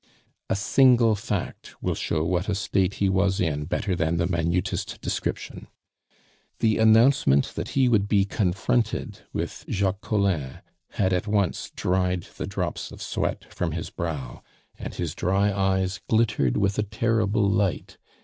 A single fact will show what a state he was in better than the minutest description. The announcement that he would be confronted with Jacques Collin had at once dried the drops of sweat from his brow, and his dry eyes glittered with a terrible light.